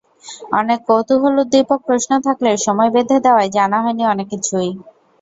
অনেক কৌতূহলোদ্দীপক প্রশ্ন থাকলেও সময় বেঁধে দেওয়ায় জানা হয়নি অনেক কিছুই।